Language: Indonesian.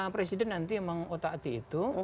presiden nanti mengotak ati itu